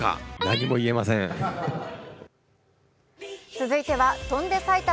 続いては「翔んで埼玉」